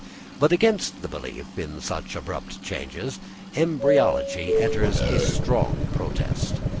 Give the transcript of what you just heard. But against the belief in such abrupt changes, embryology enters a strong protest.